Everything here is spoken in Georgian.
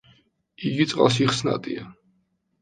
იგი წყალში ხსნადია.